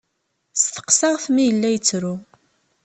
Steqsaɣ-t mi yella yettru.